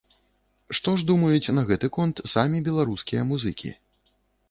Што ж думаюць на гэты конт самі беларускія музыкі?